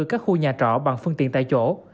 các khu nhà trọ bằng phương tiện tại chỗ